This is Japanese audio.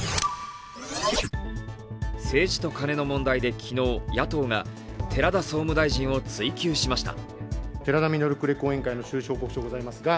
政治とカネの問題で昨日、野党が寺田総務大臣を追及しました。